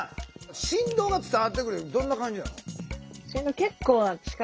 振動が伝わってくるってどんな感じなの？